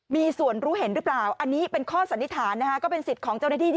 มีส่วนรู้เห็นหรือเปล่าอันนี้เป็นข้อสันนิษฐานนะคะก็เป็นสิทธิ์ของเจ้าหน้าที่